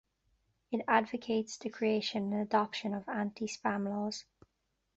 It advocates the creation and adoption of anti-spam laws.